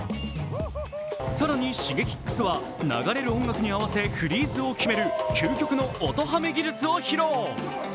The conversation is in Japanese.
更にＳｈｉｇｅｋｉｘは流れる音楽に合わせフリーズを決める究極の音ハメ技術を披露。